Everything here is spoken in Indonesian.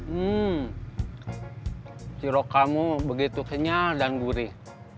hmm ciro kamu begitu kenyal dan gurih